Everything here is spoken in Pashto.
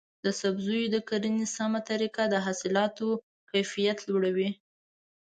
د سبزیو د کرنې سمه طریقه د حاصلاتو کیفیت لوړوي.